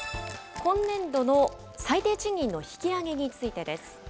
今年度の最低賃金の引き上げについてです。